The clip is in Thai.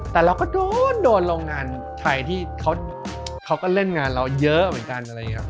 แต่เราก็โดนโรงงานไทยที่เขาก็เล่นงานเราเยอะเหมือนกัน